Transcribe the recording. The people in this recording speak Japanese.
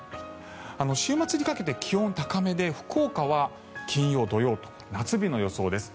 週末にかけて気温高めで福岡は金曜土曜と夏日の予想です。